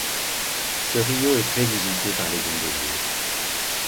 Ce rio est très usité par les gondoliers.